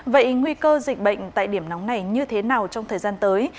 vậy nguy cơ dịch bệnh tại điểm nóng này như thế nào trong thời gian tới